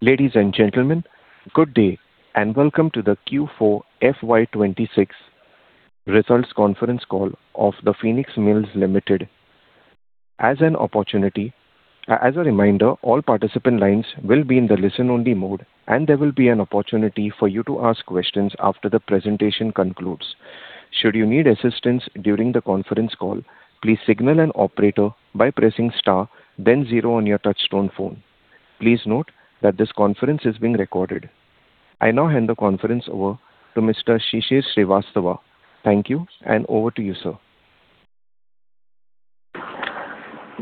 Ladies and gentlemen, good day, and welcome to the Q4 FY 2026 results conference call of The Phoenix Mills Limited. As a reminder, all participant lines will be in the listen-only mode, and there will be an opportunity for you to ask questions after the presentation concludes. Should you need assistance during the conference call, please signal an operator by pressing star then zero on your touchtone phone. Please note that this conference is being recorded. I now hand the conference over to Mr. Shishir Shrivastava. Thank you, and over to you, sir.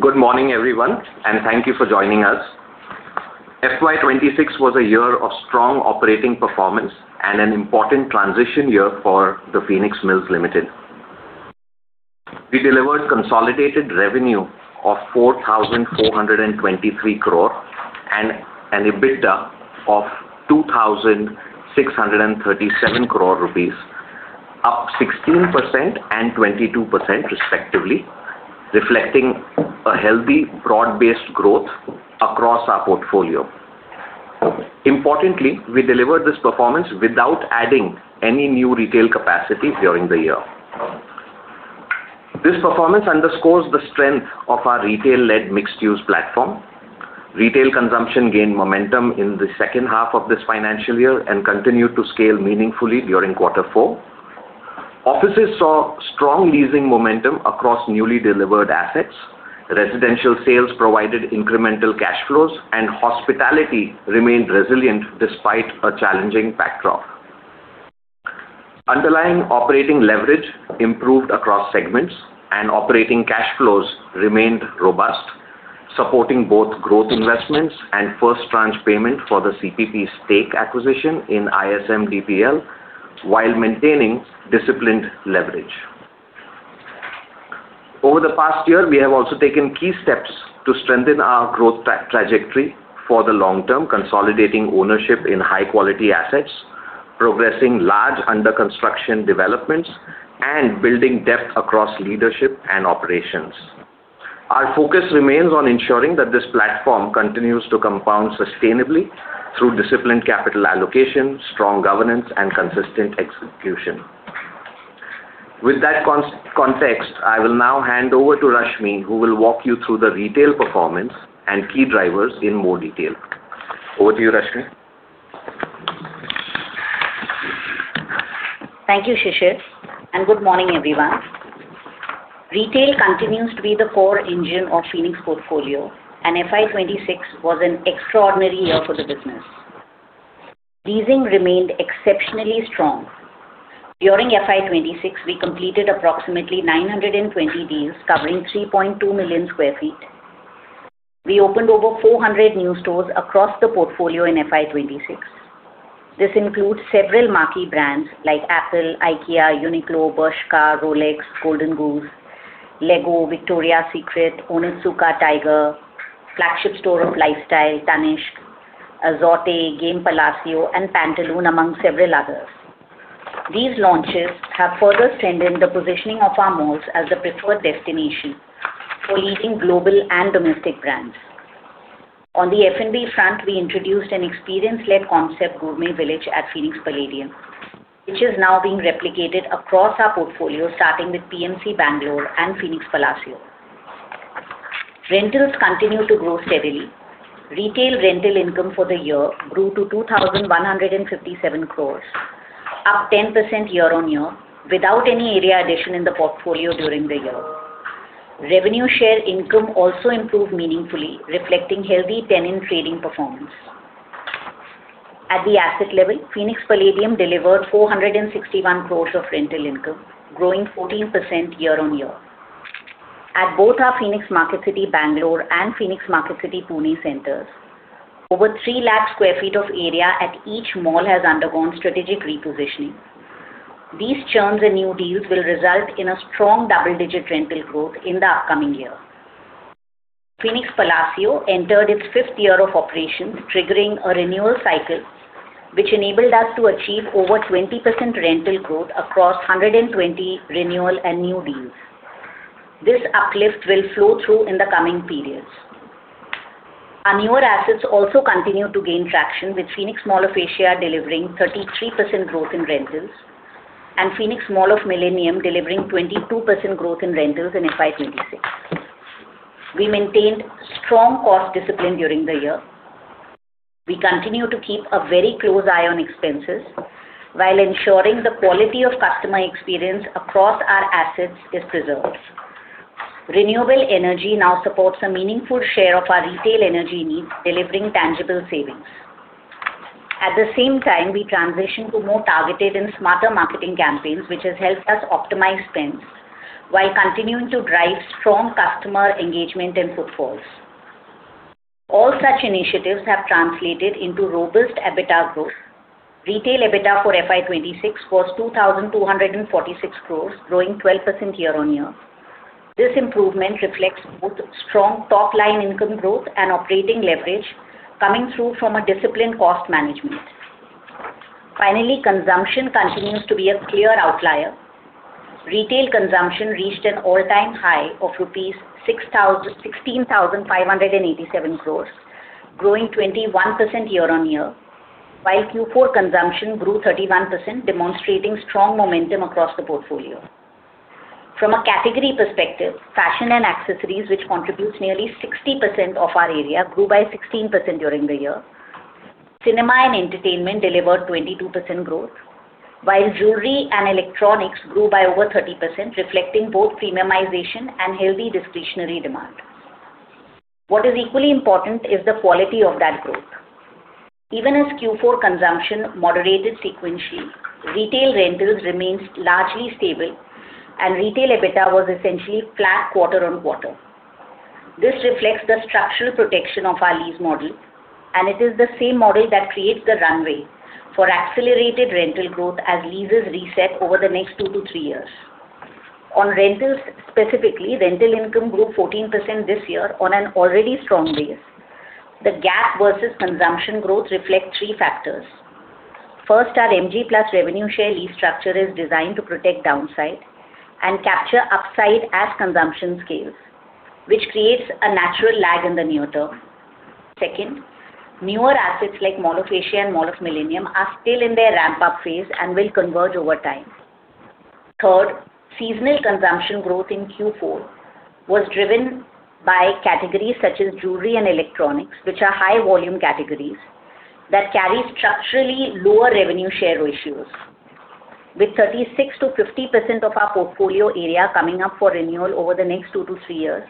Good morning, everyone, and thank you for joining us. FY 2026 was a year of strong operating performance and an important transition year for The Phoenix Mills Limited. We delivered consolidated revenue of 4,423 crore and an EBITDA of 2,637 crore rupees, up 16% and 22% respectively, reflecting a healthy broad-based growth across our portfolio. Importantly, we delivered this performance without adding any new retail capacity during the year. This performance underscores the strength of our retail-led mixed-use platform. Retail consumption gained momentum in the second half of this financial year and continued to scale meaningfully during quarter four. Offices saw strong leasing momentum across newly delivered assets. Residential sales provided incremental cash flows, and hospitality remained resilient despite a challenging backdrop. Underlying operating leverage improved across segments, and operating cash flows remained robust, supporting both growth investments and first tranche payment for the CPP stake acquisition in ISMDPL while maintaining disciplined leverage. Over the past year, we have also taken key steps to strengthen our growth trajectory for the long term, consolidating ownership in high-quality assets, progressing large under-construction developments, and building depth across leadership and operations. Our focus remains on ensuring that this platform continues to compound sustainably through disciplined capital allocation, strong governance, and consistent execution. With that context, I will now hand over to Rashmi, who will walk you through the retail performance and key drivers in more detail. Over to you, Rashmi. Thank you, Shishir, and good morning, everyone. Retail continues to be the core engine of Phoenix portfolio, and FY 2026 was an extraordinary year for the business. Leasing remained exceptionally strong. During FY 2026, we completed approximately 920 deals covering 3.2 million sq ft. We opened over 400 new stores across the portfolio in FY 2026. This includes several marquee brands like Apple, IKEA, Uniqlo, Bershka, Rolex, Golden Goose, Lego, Victoria's Secret, Onitsuka Tiger, flagship store of Lifestyle, Tanishq, AZORTE, The Game Palacio, and Pantaloons, among several others. These launches have further strengthened the positioning of our malls as the preferred destination for leasing global and domestic brands. On the F&B front, we introduced an experience-led concept, Gourmet Village, at Phoenix Palladium, which is now being replicated across our portfolio, starting with PMC Bangalore and Phoenix Palassio. Rentals continue to grow steadily. Retail rental income for the year grew to 2,157 crores, up 10% year-on-year, without any area addition in the portfolio during the year. Revenue share income also improved meaningfully, reflecting healthy tenant trading performance. At the asset level, Phoenix Palladium delivered 461 crores of rental income, growing 14% year-on-year. At both our Phoenix Marketcity Bangalore and Phoenix Marketcity Pune centers, over 3 lakh sq ft of area at each mall has undergone strategic repositioning. These churns and new deals will result in a strong double-digit rental growth in the upcoming year. Phoenix Palassio entered its fifth year of operations, triggering a renewal cycle which enabled us to achieve over 20% rental growth across 120 renewal and new deals. This uplift will flow through in the coming periods. Our newer assets also continue to gain traction, with Phoenix Mall of Asia delivering 33% growth in rentals and Phoenix Mall of the Millennium delivering 22% growth in rentals in FY 2026. We maintained strong cost discipline during the year. We continue to keep a very close eye on expenses while ensuring the quality of customer experience across our assets is preserved. Renewable energy now supports a meaningful share of our retail energy needs, delivering tangible savings. At the same time, we transition to more targeted and smarter marketing campaigns, which has helped us optimize spends while continuing to drive strong customer engagement and footfalls. All such initiatives have translated into robust EBITDA growth. Retail EBITDA for FY 2026 was 2,246 crore, growing 12% year-on-year. This improvement reflects both strong top-line income growth and operating leverage coming through from a disciplined cost management. Finally, consumption continues to be a clear outlier. Retail consumption reached an all-time high of 16,587 crores, growing 21% year-on-year, while Q4 consumption grew 31%, demonstrating strong momentum across the portfolio. From a category perspective, fashion and accessories, which contributes nearly 60% of our area, grew by 16% during the year. Cinema and entertainment delivered 22% growth, while jewelry and electronics grew by over 30%, reflecting both premiumization and healthy discretionary demand. What is equally important is the quality of that growth. Even as Q4 consumption moderated sequentially, retail rentals remains largely stable, and retail EBITDA was essentially flat quarter-on-quarter. This reflects the structural protection of our lease model, and it is the same model that creates the runway for accelerated rental growth as leases reset over the next two-three years. On rentals, specifically, rental income grew 14% this year on an already strong base. The gap versus consumption growth reflects three factors. First, our MG plus revenue share lease structure is designed to protect downside and capture upside as consumption scales, which creates a natural lag in the near term. Second, newer assets like Mall of Asia and Mall of Millennium are still in their ramp-up phase and will converge over time. Third, seasonal consumption growth in Q4 was driven by categories such as jewelry and electronics, which are high volume categories that carry structurally lower revenue share ratios. With 36%-50% of our portfolio area coming up for renewal over the next two-three years,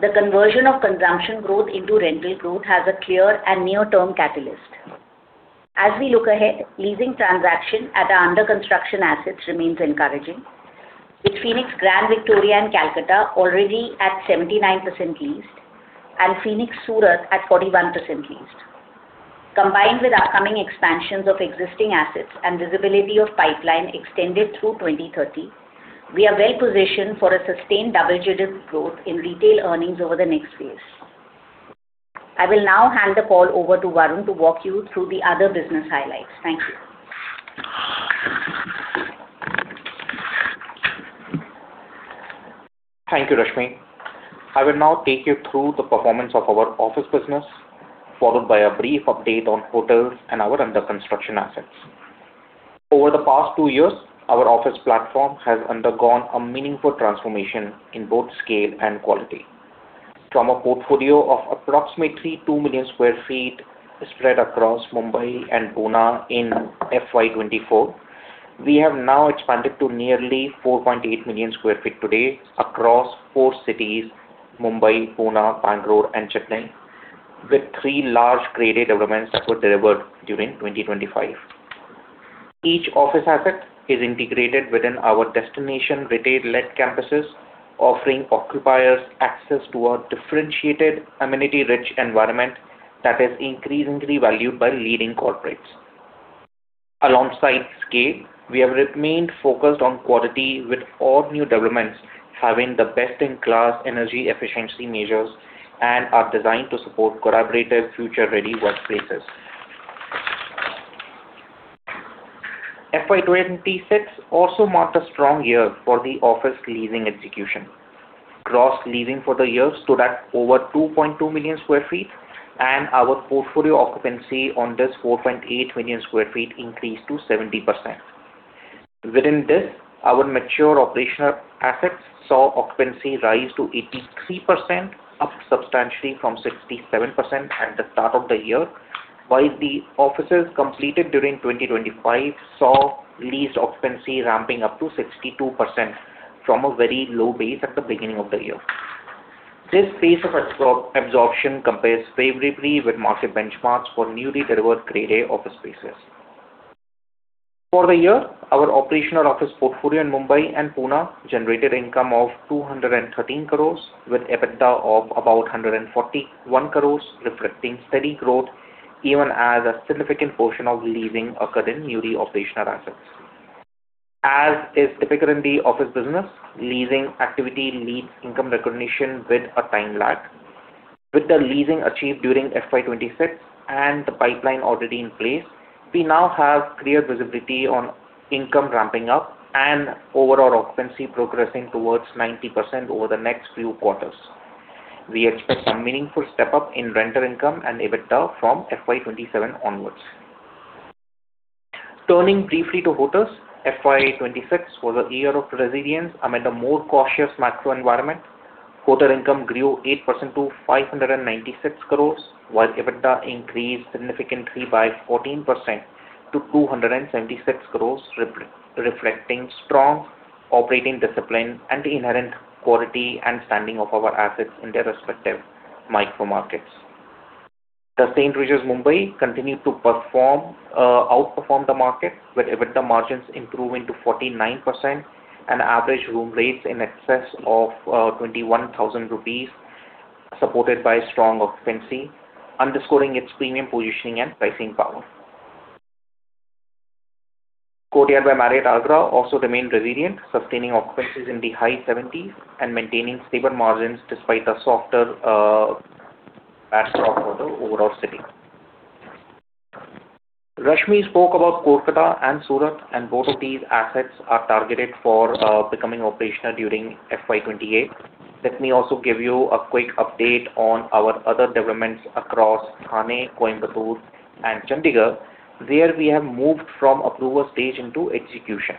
the conversion of consumption growth into rental growth has a clear and near-term catalyst. As we look ahead, leasing transaction at our under-construction assets remains encouraging, with Phoenix Grand Victoria in Kolkata already at 79% leased and Phoenix Surat at 41% leased. Combined with upcoming expansions of existing assets and visibility of pipeline extended through 2030, we are well positioned for a sustained double-digit growth in retail earnings over the next phase. I will now hand the call over to Varun to walk you through the other business highlights. Thank you. Thank you, Rashmi. I will now take you through the performance of our office business, followed by a brief update on hotels and our under-construction assets. Over the past two years, our office platform has undergone a meaningful transformation in both scale and quality. From a portfolio of approximately 2 million sq ft spread across Mumbai and Pune in FY 2024, we have now expanded to nearly 4.8 million sq ft today across four cities, Mumbai, Pune, Bangalore and Chennai, with three large Grade A developments that were delivered during 2025. Each office asset is integrated within our destination retail-led campuses, offering occupiers access to a differentiated, amenity-rich environment that is increasingly valued by leading corporates. Alongside scale, we have remained focused on quality with all new developments having the best-in-class energy efficiency measures and are designed to support collaborative future-ready workplaces. FY 2026 also marked a strong year for the office leasing execution. Gross leasing for the year stood at over 2.2 million sq ft, and our portfolio occupancy on this 4.8 million sq ft increased to 70%. Within this, our mature operational assets saw occupancy rise to 83%, up substantially from 67% at the start of the year. While the offices completed during 2025 saw leased occupancy ramping up to 62% from a very low base at the beginning of the year. This pace of absorption compares favorably with market benchmarks for newly developed Grade A office spaces. For the year, our operational office portfolio in Mumbai and Pune generated income of 213 crore, with EBITDA of about 141 crore, reflecting steady growth even as a significant portion of leasing occurred in newly operational assets. As is typical in the office business, leasing activity leads income recognition with a time lag. With the leasing achieved during FY 2026 and the pipeline already in place, we now have clear visibility on income ramping up and overall occupancy progressing towards 90% over the next few quarters. We expect some meaningful step-up in rental income and EBITDA from FY 2027 onwards. Turning briefly to hotels. FY 2026 was a year of resilience amid a more cautious macro environment. Hotel income grew 8% to 596 crores, while EBITDA increased significantly by 14% to 276 crores, reflecting strong operating discipline and the inherent quality and standing of our assets in their respective micro markets. The St. Regis Mumbai continued to perform, outperform the market, with EBITDA margins improving to 49% and average room rates in excess of 21,000 rupees, supported by strong occupancy, underscoring its premium positioning and pricing power. Courtyard by Marriott Agra also remained resilient, sustaining occupancies in the high 70% and maintaining stable margins despite the softer ADR for the overall city. Rashmi spoke about Kolkata and Surat, and both of these assets are targeted for becoming operational during FY 2028. Let me also give you a quick update on our other developments across Thane, Coimbatore, and Chandigarh, where we have moved from approval stage into execution.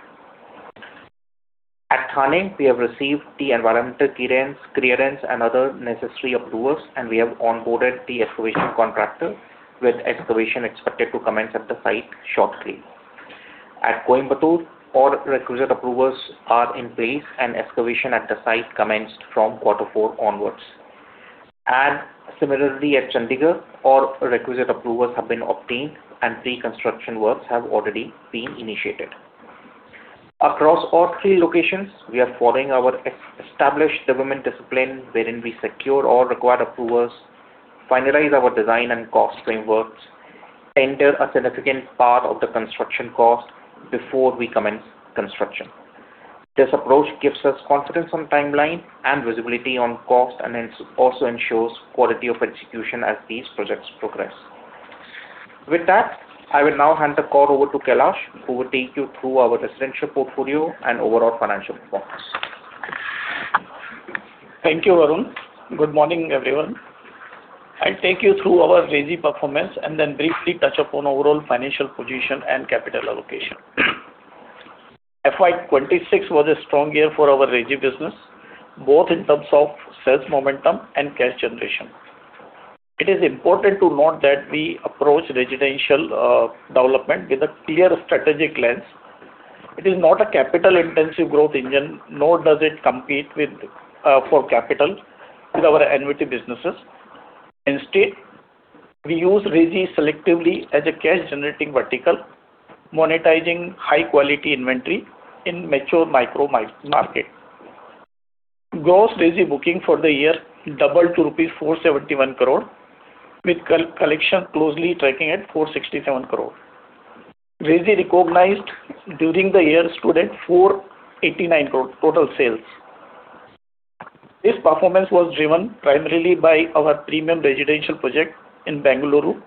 At Thane, we have received the environmental clearance and other necessary approvals, and we have onboarded the excavation contractor, with excavation expected to commence at the site shortly. At Coimbatore, all requisite approvals are in place, and excavation at the site commenced from quarter four onwards. Similarly at Chandigarh, all requisite approvals have been obtained, and pre-construction works have already been initiated. Across all three locations, we are following our established development discipline, wherein we secure all required approvals, finalize our design and cost frameworks, tender a significant part of the construction cost before we commence construction. This approach gives us confidence on timeline and visibility on cost, and also ensures quality of execution as these projects progress. With that, I will now hand the call over to Kailash, who will take you through our residential portfolio and overall financial performance. Thank you, Varun. Good morning, everyone. I'll take you through our resi performance and then briefly touch upon overall financial position and capital allocation. FY 2026 was a strong year for our resi business, both in terms of sales momentum and cash generation. It is important to note that we approach residential development with a clear strategic lens. It is not a capital-intensive growth engine, nor does it compete for capital with our annuity businesses. Instead, we use resi selectively as a cash-generating vertical, monetizing high-quality inventory in mature micro market. Gross resi booking for the year doubled to 471 crore rupees, with collection closely tracking at 467 crore. Resi recognized during the year stood at 489 crore total sales. This performance was driven primarily by our premium residential project in Bengaluru,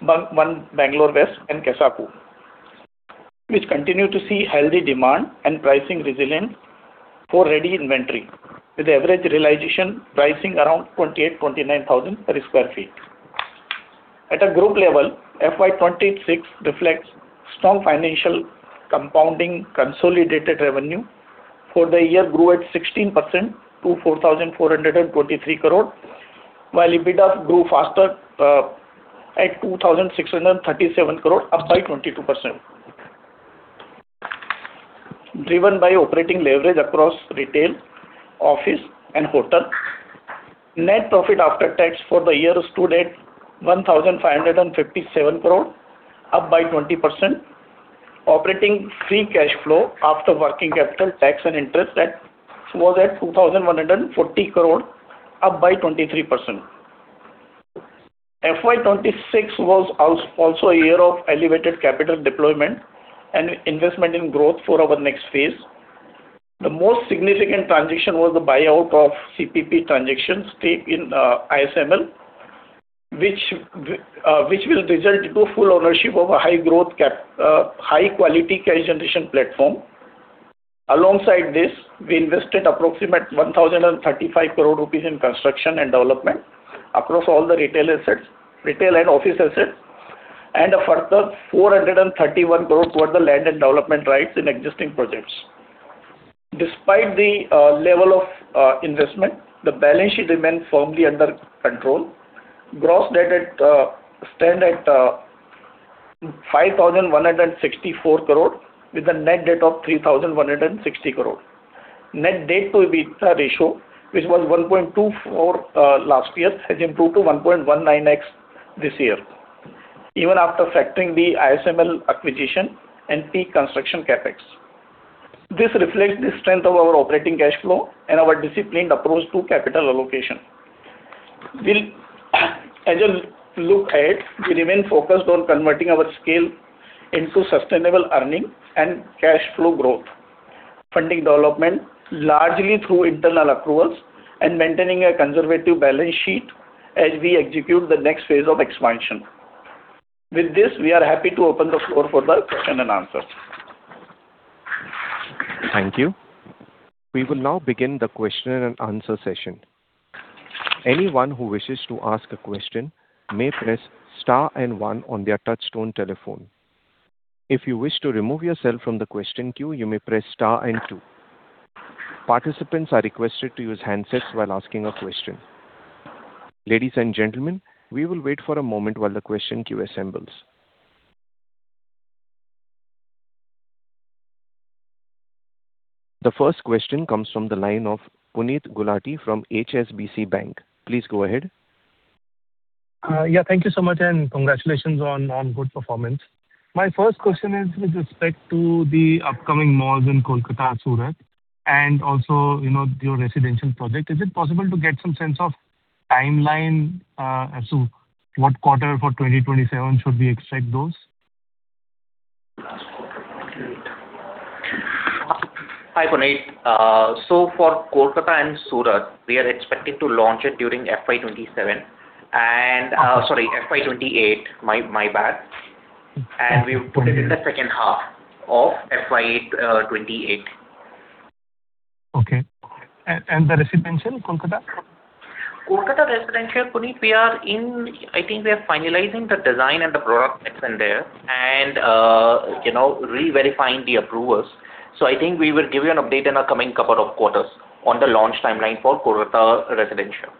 Phoenix One Bangalore West and Kasavu, which continue to see healthy demand and pricing resilience for ready inventory, with average realization pricing around 28,000, 29,000 per sq ft. At a group level, FY 2026 reflects strong financial compounding. Consolidated revenue for the year grew at 16% to 4,423 crore, while EBITDA grew faster at 2,637 crore, up by 22%. Driven by operating leverage across retail, office and hotel, net profit after tax for the year stood at 1,557 crore, up by 20%. Operating free cash flow after working capital, tax and interest was at 2,140 crore, up by 23%. FY 2026 was also a year of elevated capital deployment and investment in growth for our next phase. The most significant transition was the buyout of CPP Investments stake in ISML, which will result into full ownership of a high growth, high quality cash generation platform. Alongside this, we invested approximately 1,035 crore rupees in construction and development across all the retail assets, retail and office assets, and a further 431 crore toward the land and development rights in existing projects. Despite the level of investment, the balance sheet remained firmly under control. Gross debt stands at 5,164 crore with a net debt of 3,160 crore. Net debt to EBITDA ratio, which was 1.24% last year, has improved to 1.19x this year, even after factoring the ISML acquisition and peak construction CapEx. This reflects the strength of our operating cash flow and our disciplined approach to capital allocation. Well, as you look ahead, we remain focused on converting our scale into sustainable earnings and cash flow growth, funding development largely through internal accruals and maintaining a conservative balance sheet as we execute the next phase of expansion. With this, we are happy to open the floor for the question and answer. Thank you. We will now begin the question and answer session. Anyone who wishes to ask a question may press star and one on their touchtone telephone. If you wish to remove yourself from the question queue, you may press star and two. Participants are requested to use handsets while asking a question. Ladies and gentlemen, we will wait for a moment while the question queue assembles. The first question comes from the line of Puneet Gulati from HSBC Bank. Please go ahead. Yeah. Thank you so much, and congratulations on good performance. My first question is with respect to the upcoming malls in Kolkata, Surat, and also, you know, your residential project. Is it possible to get some sense of timeline, what quarter for 2027 should we expect those? Hi, Puneet. For Kolkata and Surat, we are expected to launch it during FY 2028. My bad. We would put it in the second half of FY 2028. Okay. The residential in Kolkata? Kolkata residential, Puneet, I think we are finalizing the design and the product mix in there and, you know, re-verifying the approvals. I think we will give you an update in the coming couple of quarters on the launch timeline for Kolkata residential.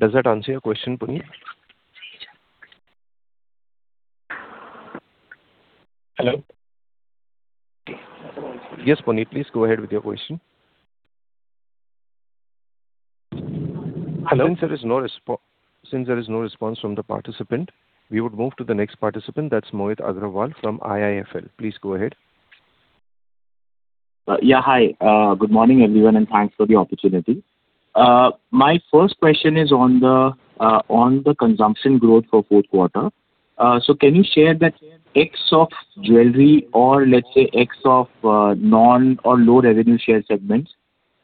Does that answer your question, Puneet? Hello? Yes, Puneet, please go ahead with your question. Hello? Since there is no response from the participant, we would move to the next participant. That's Mohit Agrawal from IIFL. Please go ahead. Yeah. Hi. Good morning, everyone, and thanks for the opportunity. My first question is on the consumption growth for fourth quarter. Can you share that ex of jewelry or let's say ex of non or low revenue share segments,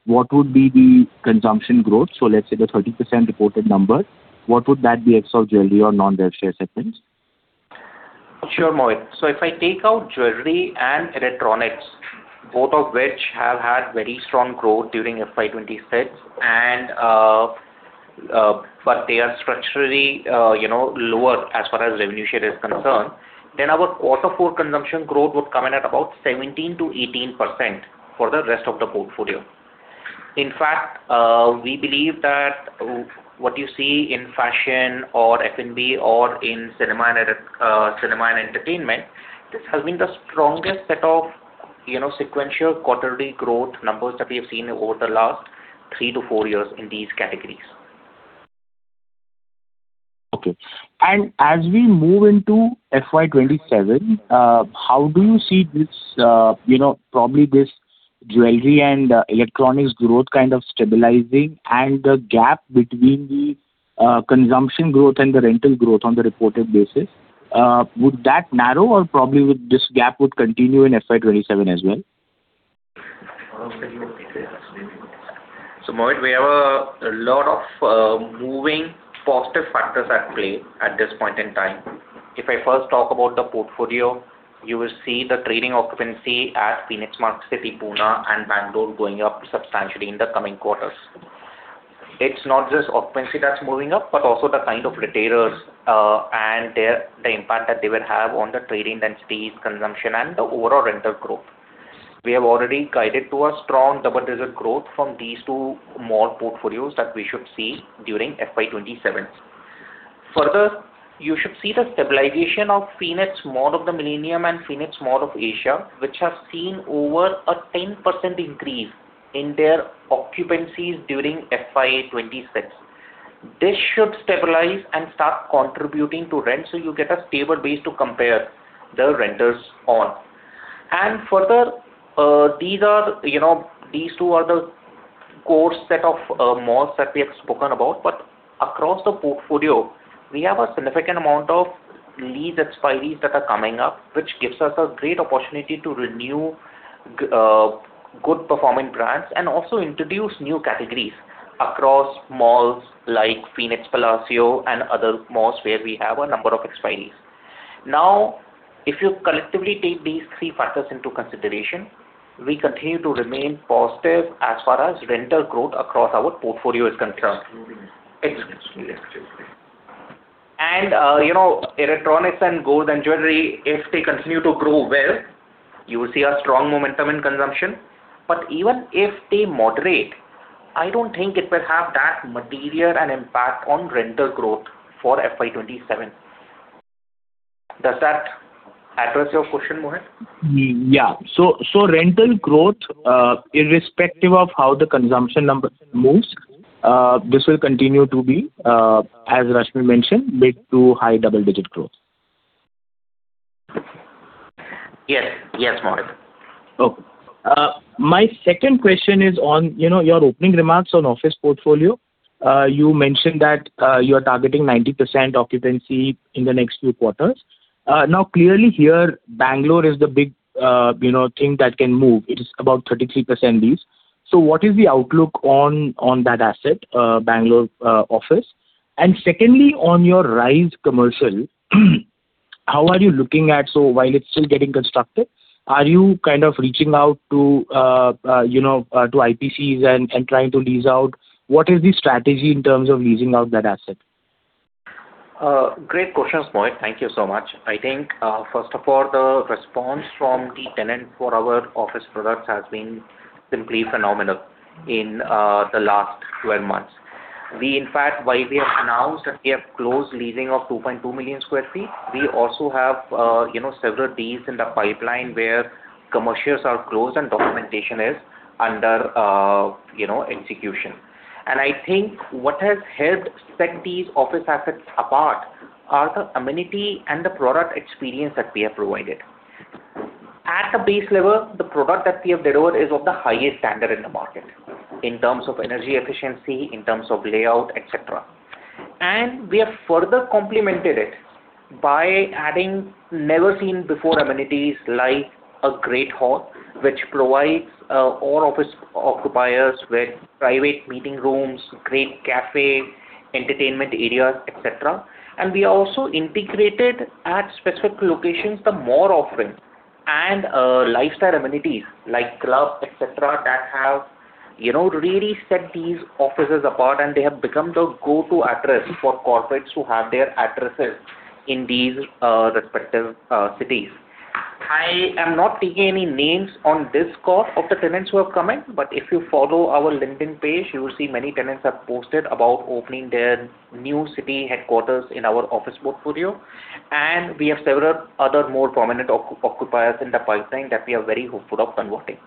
what would be the consumption growth? Let's say the 30% reported number, what would that be ex of jewelry or non-rev share segments? Sure, Mohit. If I take out jewelry and electronics, both of which have had very strong growth during FY 2026, but they are structurally, you know, lower as far as revenue share is concerned, then our quarter four consumption growth would come in at about 17%-18% for the rest of the portfolio. In fact, we believe that what you see in fashion or F&B or in cinema and entertainment, this has been the strongest set of, you know, sequential quarterly growth numbers that we have seen over the last three-four years in these categories. Okay. As we move into FY 2027, how do you see this, you know, probably this jewelry and electronics growth kind of stabilizing and the gap between the, consumption growth and the rental growth on the reported basis, would that narrow or probably would this gap continue in FY 2027 as well? Mohit, we have a lot of moving positive factors at play at this point in time. If I first talk about the portfolio, you will see the trading occupancy at Phoenix Marketcity, Pune and Bangalore going up substantially in the coming quarters. It's not just occupancy that's moving up, but also the kind of retailers and the impact that they will have on the trading densities, consumption and the overall rental growth. We have already guided to a strong double-digit growth from these two mall portfolios that we should see during FY 2027. Further, you should see the stabilization of Phoenix Mall of the Millennium and Phoenix Mall of Asia, which have seen over a 10% increase in their occupancies during FY 2026. This should stabilize and start contributing to rent, so you get a stable base to compare the rents on. Further, these are, you know, these two are the core set of malls that we have spoken about. Across the portfolio, we have a significant amount of lease expiries that are coming up, which gives us a great opportunity to renew good performing brands and also introduce new categories across malls like Phoenix Palassio and other malls where we have a number of expiries. Now, if you collectively take these three factors into consideration, we continue to remain positive as far as rental growth across our portfolio is concerned. You know, electronics and gold and jewelry, if they continue to grow well, you will see a strong momentum in consumption. Even if they moderate, I don't think it will have that material an impact on rental growth for FY 2027. Does that address your question, Mohit? Yeah. Rental growth, irrespective of how the consumption number moves, this will continue to be, as Rashmi mentioned, mid- to high double-digit growth. Yes. Yes, Mohit. Okay. My second question is on, you know, your opening remarks on office portfolio. You mentioned that you are targeting 90% occupancy in the next few quarters. Now, clearly here, Bangalore is the big, you know, thing that can move. It is about 33% lease. What is the outlook on that asset, Bangalore, office? And secondly, on your Project Rise, how are you looking at so while it's still getting constructed? Are you kind of reaching out to, you know, to IPCs and trying to lease out? What is the strategy in terms of leasing out that asset? Great questions, Mohit. Thank you so much. I think, first of all, the response from the tenant for our office products has been simply phenomenal in the last 12 months. We, in fact, while we have announced that we have closed leasing of 2.2 million sq ft, we also have, you know, several deals in the pipeline where commercials are closed and documentation is under, you know, execution. I think what has helped set these office assets apart are the amenity and the product experience that we have provided. At a base level, the product that we have delivered is of the highest standard in the market in terms of energy efficiency, in terms of layout, et cetera. We have further complemented it by adding never-seen-before amenities like a great hall, which provides all office occupiers with private meeting rooms, great cafe, entertainment areas, et cetera. We also integrated at specific locations more offerings and lifestyle amenities like club, et cetera, that have, you know, really set these offices apart, and they have become the go-to address for corporates who have their addresses in these respective cities. I am not taking any names on this call of the tenants who have come in, but if you follow our LinkedIn page, you will see many tenants have posted about opening their new city headquarters in our office portfolio. We have several other more prominent occupiers in the pipeline that we are very hopeful of converting.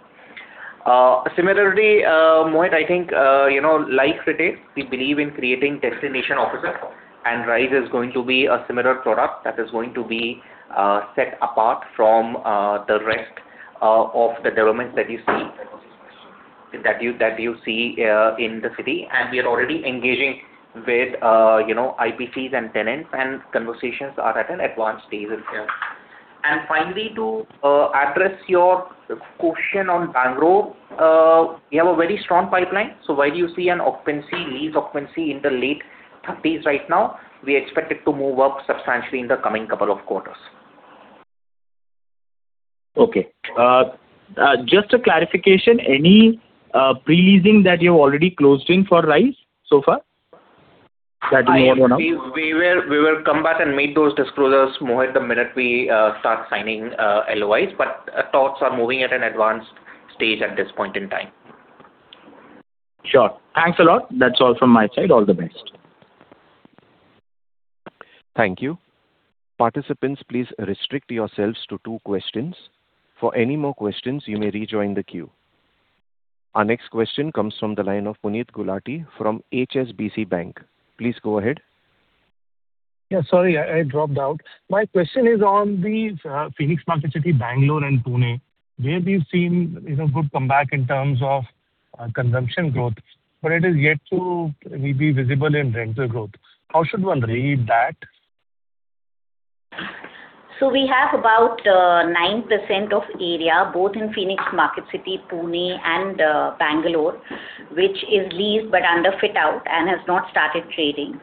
Similarly, Mohit, I think, you know, like retail, we believe in creating destination offices, and Rise is going to be a similar product that is going to be set apart from the rest of the developments that you see in the city. We are already engaging with, you know, IPCs and tenants, and conversations are at an advanced stage here. Finally, to address your question on Bangalore, we have a very strong pipeline. While you see an occupancy, lease occupancy in the late thirties right now, we expect it to move up substantially in the coming couple of quarters. Okay. Just a clarification. Any pre-leasing that you've already closed in for Rise so far that you know of now? We will come back and make those disclosures, Mohit, the minute we start signing LOIs, but talks are moving at an advanced stage at this point in time. Sure. Thanks a lot. That's all from my side. All the best. Thank you. Participants, please restrict yourselves to two questions. For any more questions, you may rejoin the queue. Our next question comes from the line of Puneet Gulati from HSBC Bank. Please go ahead. Yeah. Sorry, I dropped out. My question is on these Phoenix Marketcity, Bangalore and Pune, where we've seen, you know, good comeback in terms of consumption growth, but it is yet to be visible in rental growth. How should one read that? We have about 9% of area both in Phoenix Marketcity, Pune and Bangalore, which is leased but under fit-out and has not started trading.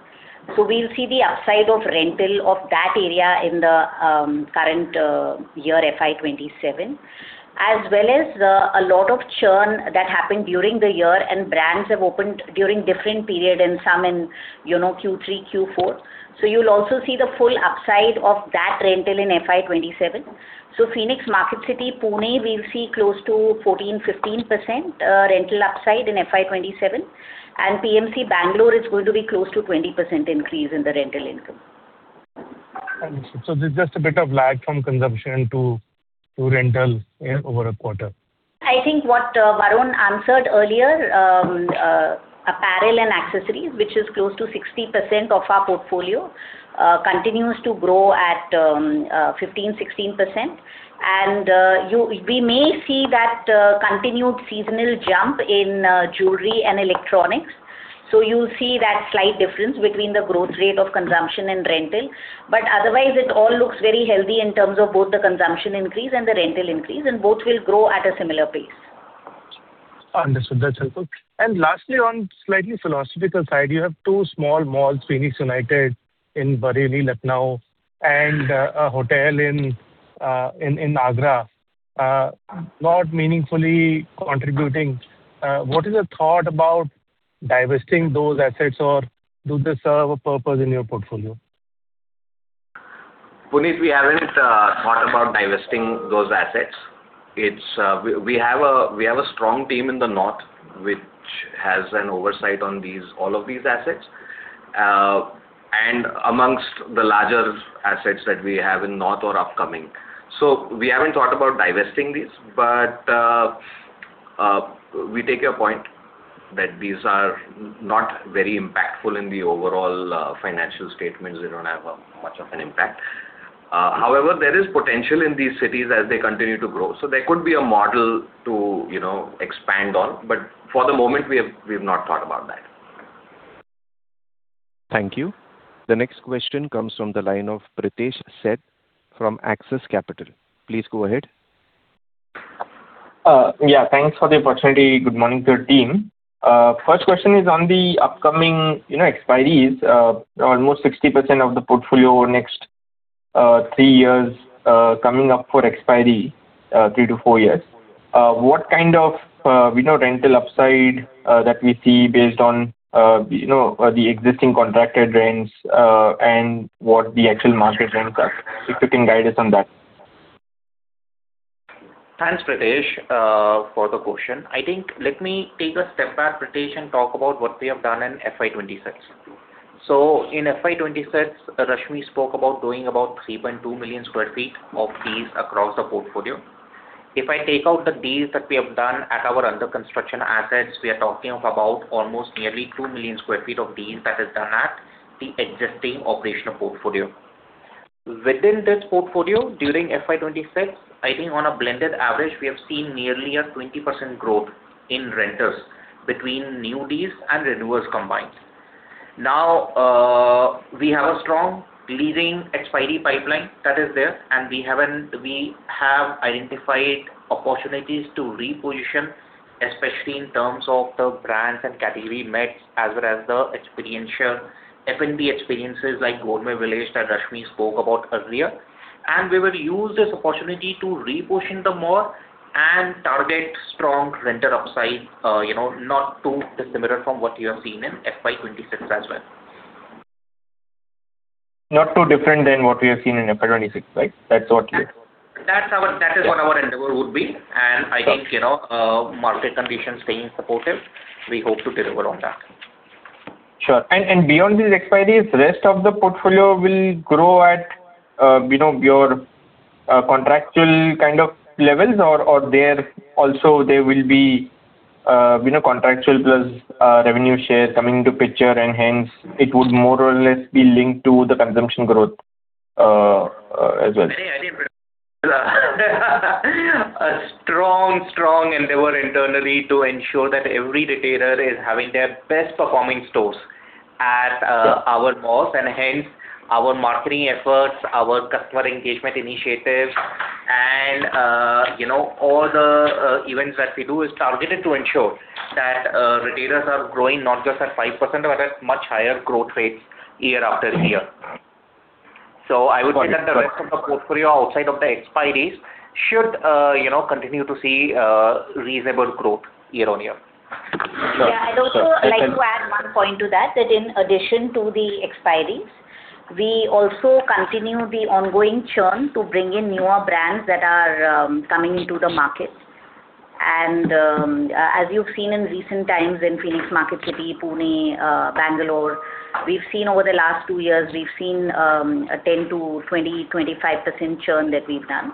We'll see the upside of rental of that area in the current year FY 2027, as well as a lot of churn that happened during the year, and brands have opened during different period and some in, you know, Q3, Q4. You'll also see the full upside of that rental in FY 2027. Phoenix Marketcity, Pune will see close to 14%-15% rental upside in FY 2027, and PMC Bangalore is going to be close to 20% increase in the rental income. Understood. There's just a bit of lag from consumption to rental over a quarter. I think what Varun answered earlier, apparel and accessories, which is close to 60% of our portfolio, continues to grow at 15%-16%. We may see that continued seasonal jump in jewelry and electronics. You'll see that slight difference between the growth rate of consumption and rental. Otherwise, it all looks very healthy in terms of both the consumption increase and the rental increase, and both will grow at a similar pace. Understood. That's helpful. Lastly, on slightly philosophical side, you have two small malls, Phoenix United in Bareilly, Lucknow, and a hotel in Agra, not meaningfully contributing. What is your thought about divesting those assets, or do they serve a purpose in your portfolio? Puneet, we haven't thought about divesting those assets. We have a strong team in the North, which has an oversight on all of these assets and amongst the larger assets that we have in the North or upcoming. We haven't thought about divesting these. We take your point that these are not very impactful in the overall financial statements. They don't have much of an impact. However, there is potential in these cities as they continue to grow. There could be a model to, you know, expand on. For the moment, we've not thought about that. Thank you. The next question comes from the line of Pritesh Sheth from Axis Capital. Please go ahead. Yeah, thanks for the opportunity. Good morning, third team. First question is on the upcoming, you know, expiries. Almost 60% of the portfolio over next three years coming up for expiry three-four years. What kind of, you know, rental upside that we see based on, you know, the existing contracted rents and what the actual market rents are? If you can guide us on that. Thanks, Pritesh, for the question. I think let me take a step back, Pritesh, and talk about what we have done in FY 2026. In FY 2026, Rashmi spoke about doing about 3.2 million sq ft of these across the portfolio. If I take out the deals that we have done at our under construction assets, we are talking of about almost nearly 2 million sq ft of deals that is done at the existing operational portfolio. Within this portfolio, during FY 2026, I think on a blended average, we have seen nearly a 20% growth in rent between new deals and renewals combined. Now, we have a strong leasing expiry pipeline that is there, and we have identified opportunities to reposition, especially in terms of the brands and category mix, as well as the experiential, F&B experiences like Gourmet Village that Rashmi spoke about earlier. We will use this opportunity to reposition the mall and target strong renter upside, you know, not too dissimilar from what you have seen in FY 2026 as well. Not too different than what we have seen in FY 2026, right? That's what you- That is what our endeavor would be. Sure. I think, you know, market conditions staying supportive, we hope to deliver on that. Sure. Beyond these expiries, rest of the portfolio will grow at, you know, your contractual kind of levels or there also will be you know contractual plus revenue shares coming into picture and hence it would more or less be linked to the consumption growth as well. I mean, I think a strong endeavor internally to ensure that every retailer is having their best performing stores at our malls, and hence our marketing efforts, our customer engagement initiatives, and you know, all the events that we do is targeted to ensure that retailers are growing not just at 5%, but at much higher growth rates year after year. I would say that the rest of the portfolio outside of the expiries should you know, continue to see reasonable growth year-on-year. Sure. Yeah. I'd also like to add one point to that in addition to the expiries, we also continue the ongoing churn to bring in newer brands that are coming into the market. As you've seen in recent times in Phoenix Marketcity, Pune, Bangalore, over the last two years a 10%-25% churn that we've done.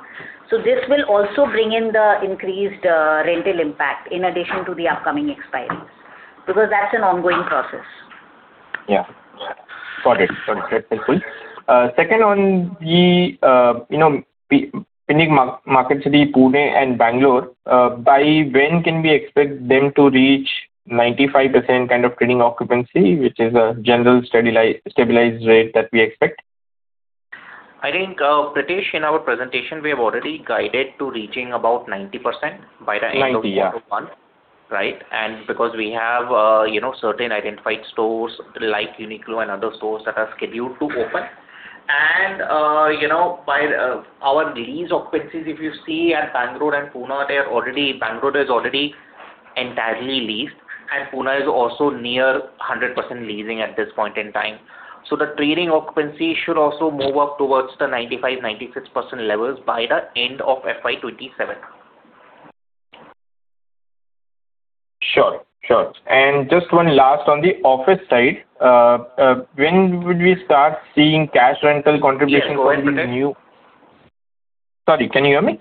This will also bring in the increased rental impact in addition to the upcoming expiries, because that's an ongoing process. Yeah. Got it. That's helpful. Second on the, you know, Phoenix Marketcity, Pune and Bangalore, by when can we expect them to reach 95% kind of trading occupancy, which is a general steady stabilized rate that we expect? I think, Pritesh, in our presentation, we have already guided to reaching about 90% by the end of FY 2021. 90%, yeah. Right. Because we have, you know, certain identified stores like Uniqlo and other stores that are scheduled to open. You know, by our lease occupancies, if you see at Bangalore and Pune, Bangalore is already entirely leased, and Pune is also near 100% leasing at this point in time. The trading occupancy should also move up towards the 95%, 96% levels by the end of FY 2027. Sure. Just one last on the office side. When would we start seeing cash rental contribution from the new- Yeah, go ahead, Pritesh. Sorry, can you hear me?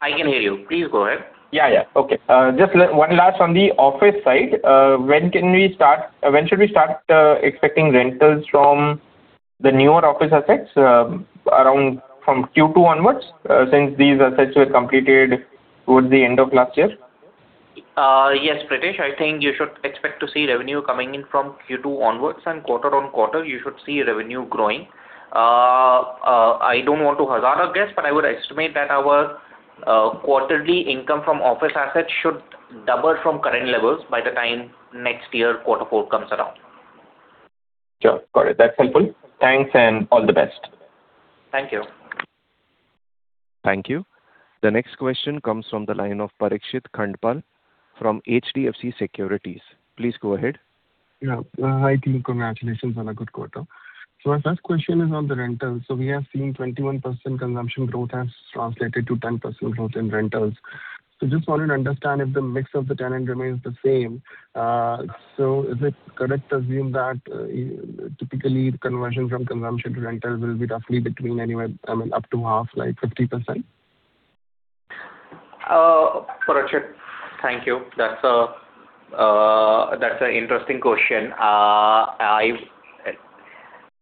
I can hear you. Please go ahead. Yeah, yeah. Okay. One last on the office side. When should we start expecting rentals from the newer office assets, around from Q2 onwards, since these assets were completed towards the end of last year? Yes, Pritesh. I think you should expect to see revenue coming in from Q2 onwards, and quarter-over-quarter, you should see revenue growing. I don't want to hazard a guess, but I would estimate that our quarterly income from office assets should double from current levels by the time next year quarter four comes around. Sure. Got it. That's helpful. Thanks and all the best. Thank you. Thank you. The next question comes from the line of Parikshit Khandpal from HDFC Securities. Please go ahead. Yeah. Hi, team. Congratulations on a good quarter. My first question is on the rentals. We have seen 21% consumption growth has translated to 10% growth in rentals. Just wanted to understand if the mix of the tenant remains the same. Is it correct to assume that, typically the conversion from consumption to rental will be roughly between anywhere, I mean, up to half, like 50%? Parikshit, thank you. That's an interesting question.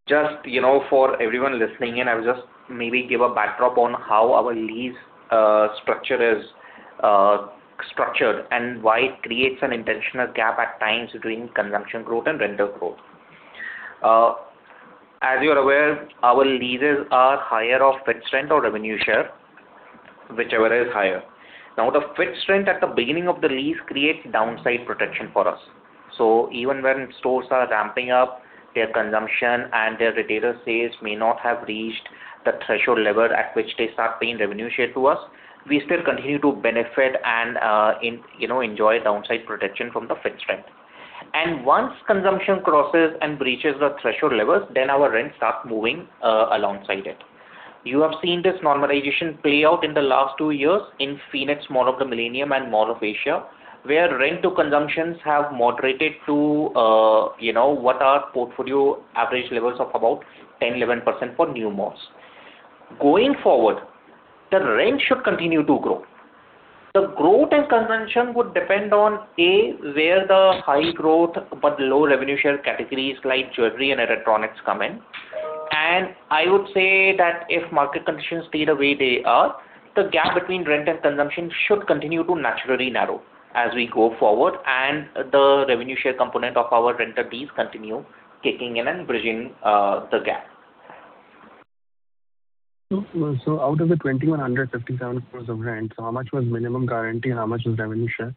Just, you know, for everyone listening in, I would just maybe give a backdrop on how our lease structure is structured and why it creates an intentional gap at times between consumption growth and rental growth. As you are aware, our leases are higher of fixed rent or revenue share, whichever is higher. Now, the fixed rent at the beginning of the lease creates downside protection for us. Even when stores are ramping up their consumption and their retailer sales may not have reached the threshold level at which they start paying revenue share to us, we still continue to benefit and, you know, enjoy downside protection from the fixed rent. Once consumption crosses and breaches the threshold levels, then our rent starts moving, alongside it. You have seen this normalization play out in the last two years in Phoenix Mall of the Millennium and Phoenix Mall of Asia, where rent to consumption has moderated to, you know, what our portfolio average levels of about 10, 11% for new malls. Going forward, the rent should continue to grow. The growth in consumption would depend on, A, where the high growth but low revenue share categories like jewelry and electronics come in. I would say that if market conditions stay the way they are, the gap between rent and consumption should continue to naturally narrow as we go forward, and the revenue share component of our rental fees continues kicking in and bridging the gap. Out of the 2,157 crore of rent, how much was minimum guarantee and how much was revenue share?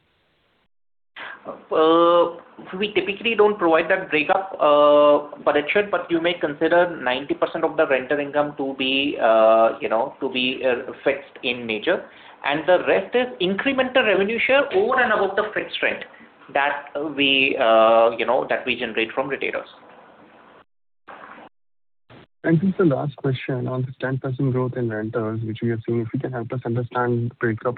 We typically don't provide that breakup, but you may consider 90% of the rental income to be, you know, that we generate from retailers. This is the last question. On this 10% growth in rentals which we have seen, if you can help us understand the breakup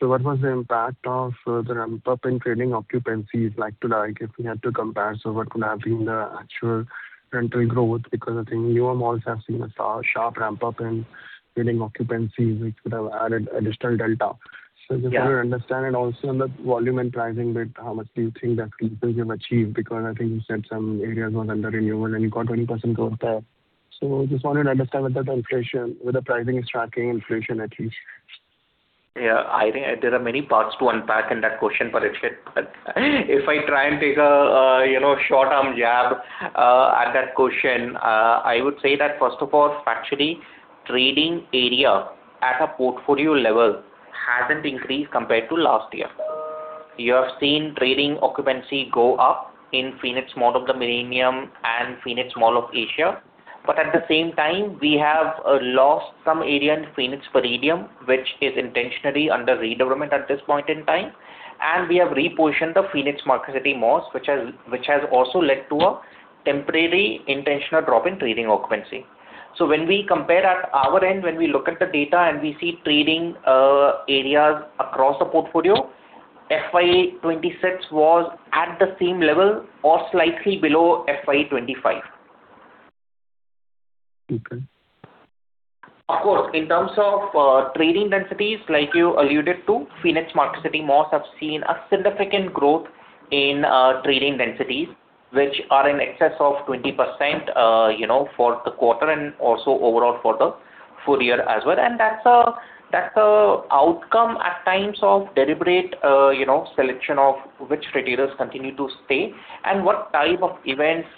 of, so what was the impact of the ramp-up in trading occupancies like to like, if we had to compare, so what could have been the actual rental growth? Because I think newer malls have seen a sharp ramp-up in trading occupancies, which could have added additional delta. Yeah. Just want to understand. Also on the volume and pricing bit, how much do you think that you've achieved? Because I think you said some areas was under renewal and you got 20% growth there. Just wanted to understand whether the inflation, whether the pricing is tracking inflation at least. Yeah. I think there are many parts to unpack in that question, Parikshit. If I try and take a, you know, short-term jab at that question, I would say that, first of all, factually, trading area at a portfolio level hasn't increased compared to last year. You have seen trading occupancy go up in Phoenix Mall of the Millennium and Phoenix Mall of Asia. At the same time, we have lost some area in Phoenix Palladium, which is intentionally under redevelopment at this point in time. We have repositioned the Phoenix Marketcity malls, which has also led to a temporary intentional drop in trading occupancy. When we compare at our end, when we look at the data and we see trading areas across the portfolio, FY 2026 was at the same level or slightly below FY 2025. Okay. Of course, in terms of trading densities, like you alluded to, Phoenix Marketcity malls have seen a significant growth in trading densities, which are in excess of 20%, you know, for the quarter and also overall for the full year as well. That's an outcome at times of deliberate, you know, selection of which retailers continue to stay and what type of events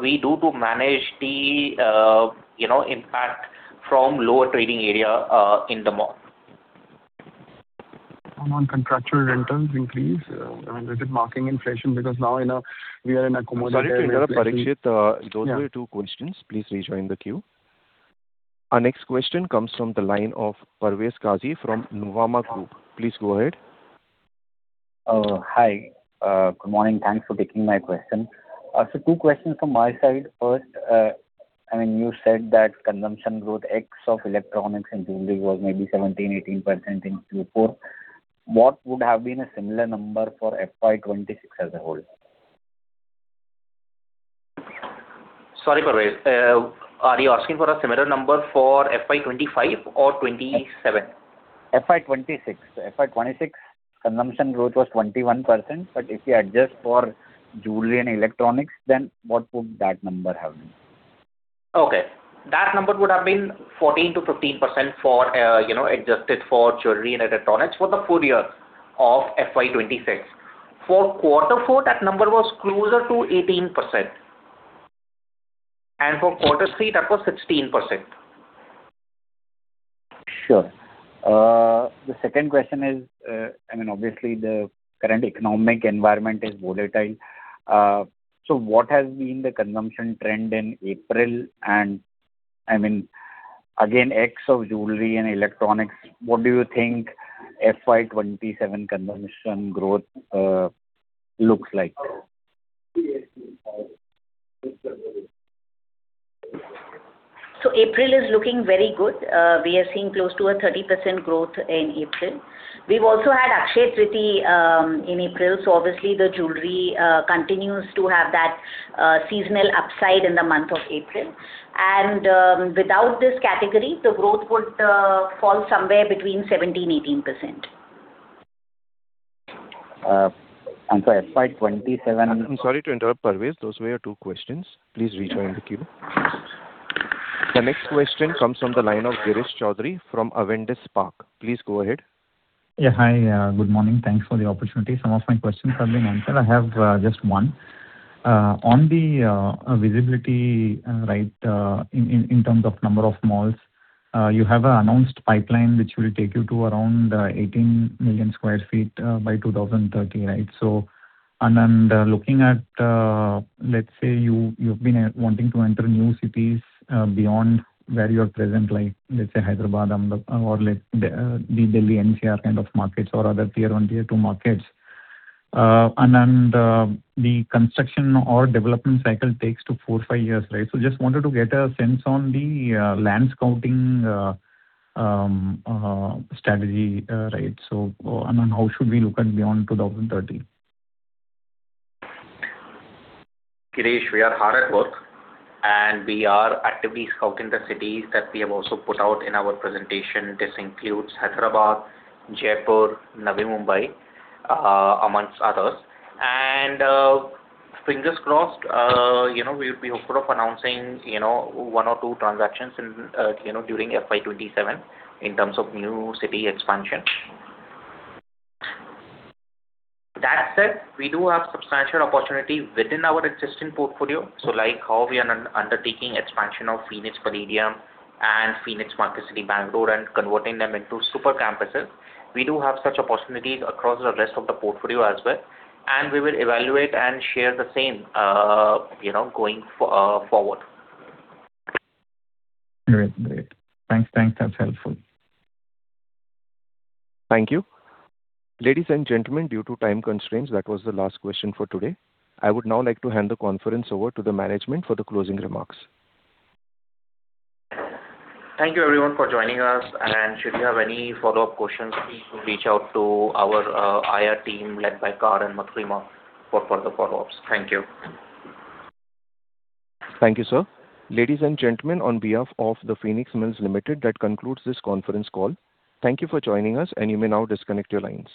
we do to manage the, you know, impact from lower trading area in the mall. On contractual rentals increase, I mean, they did mirroring inflation because now we are in accommodative Sorry to interrupt, Parikshit. Yeah. Those were your two questions. Please rejoin the queue. Our next question comes from the line of Parvez Qazi from Nuvama Group. Please go ahead. Hi. Good morning. Thanks for taking my question. Two questions from my side. First, I mean, you said that consumption growth ex of electronics and jewelry was maybe 17%-18% in Q4. What would have been a similar number for FY 2026 as a whole? Sorry, Parvez. Are you asking for a similar number for FY 2025 or 2027? FY 2026. FY 2026 consumption growth was 21%. If you adjust for jewelry and electronics, then what would that number have been? Okay. That number would have been 14%-15% for, you know, adjusted for jewelry and electronics for the full year of FY 2026. For quarter four, that number was closer to 18%. For quarter three, that was 16%. Sure. The second question is, I mean, obviously the current economic environment is volatile. What has been the consumption trend in April? I mean, again, ex of jewelry and electronics, what do you think FY 2027 consumption growth looks like? April is looking very good. We are seeing close to a 30% growth in April. We've also had Akshaya Tritiya in April. Obviously the jewelry continues to have that seasonal upside in the month of April. Without this category, the growth would fall somewhere between 17%-18%. for FY 2027. I'm sorry to interrupt, Parvez. Those were your two questions. Please rejoin the queue. The next question comes from the line of Girish Choudhury from Avendus Spark. Please go ahead. Hi, good morning. Thanks for the opportunity. Some of my questions have been answered. I have just one. On the visibility right in terms of number of malls, you have announced pipeline which will take you to around 18 million sq ft by 2030, right? Looking at, let's say you have been wanting to enter new cities beyond where you're present, like, let's say Hyderabad or the Delhi NCR kind of markets or other tier one, tier two markets. The construction or development cycle takes four-five years, right? Just wanted to get a sense on the land scouting strategy, right? Then how should we look at beyond 2030? Girish, we are hard at work, and we are actively scouting the cities that we have also put out in our presentation. This includes Hyderabad, Jaipur, Navi Mumbai, amongst others. Fingers crossed, you know, we'll be hopeful of announcing, you know, one or two transactions in, you know, during FY 2027 in terms of new city expansion. That said, we do have substantial opportunity within our existing portfolio. Like how we are undertaking expansion of Phoenix Palladium and Phoenix Marketcity Bangalore and converting them into super campuses, we do have such opportunities across the rest of the portfolio as well, and we will evaluate and share the same, you know, going forward. Great. Thanks. That's helpful. Thank you. Ladies and gentlemen, due to time constraints, that was the last question for today. I would now like to hand the conference over to the management for the closing remarks. Thank you everyone for joining us. Should you have any follow-up questions, please reach out to our IR team led by Karan Mathurima for further follow-ups. Thank you. Thank you, sir. Ladies and gentlemen, on behalf of The Phoenix Mills Limited, that concludes this conference call. Thank you for joining us, and you may now disconnect your lines.